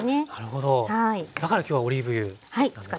だから今日はオリーブ油なんですね。